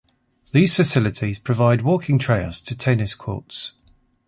These facilities provide walking trails to tennis courts.